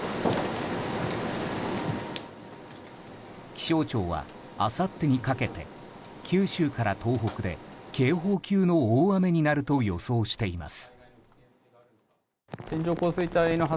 気象庁はあさってにかけて九州から東北で警報級の大雨になると予想しています。